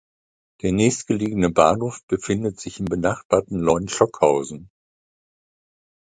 Der nächstgelegene Bahnhof befindet sich im benachbarten Leun-Stockhausen.